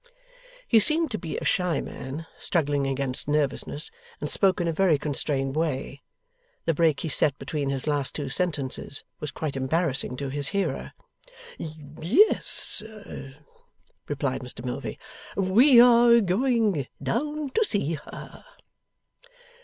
He seemed to be a shy man, struggling against nervousness, and spoke in a very constrained way. The break he set between his last two sentences was quite embarrassing to his hearer. 'Yes,' replied Mr Milvey. 'We are going down to see her.